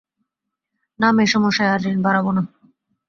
না মেসোমশায় আর ঋণ বাড়াব না।